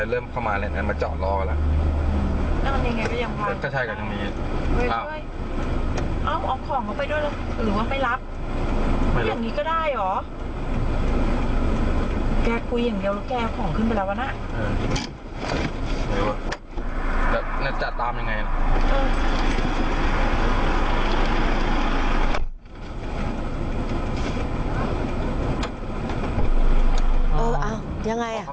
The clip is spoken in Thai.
เออเอ้ายังไงอะ